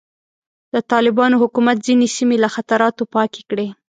د طالبانو حکومت ځینې سیمې له خطراتو پاکې کړې.